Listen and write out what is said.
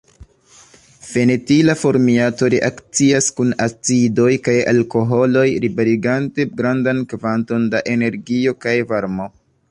Fenetila formiato reakcias kun acidoj kaj alkoholoj liberigante grandan kvanton da energio kaj varmo.